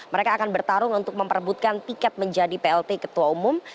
mereka akan bertarung untuk memperebutkan tiket menjadi plt ketua umum